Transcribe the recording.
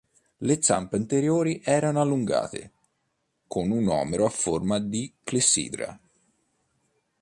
Le zampe anteriori erano allungate, con un omero a forma di clessidra.